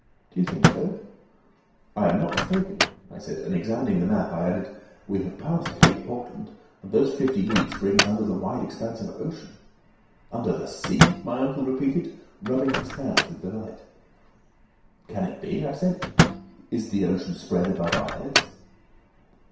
"Do you think so?" "I am not mistaken," I said, and examining the map, I added, "We have passed Cape Portland, and those fifty leagues bring us under the wide expanse of ocean." "Under the sea," my uncle repeated, rubbing his hands with delight. "Can it be?" I said. "Is the ocean spread above our heads?"